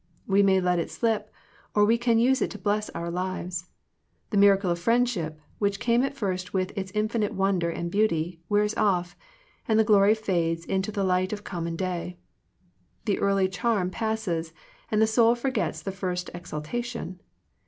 We may let it slip, or we can use it to bless our lives. The miracle of friendship, which came at first with its infinite wonder and beauty, wears off, and the glory fades into the light of common day. The early charm passes, and the soul forgets the first exaltation.